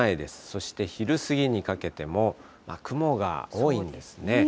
そして昼過ぎにかけても、雲が多いんですね。